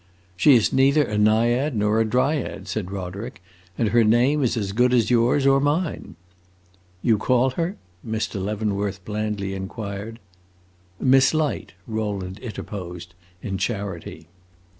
"She is neither a naiad nor a dryad," said Roderick, "and her name is as good as yours or mine." "You call her" Mr. Leavenworth blandly inquired. "Miss Light," Rowland interposed, in charity.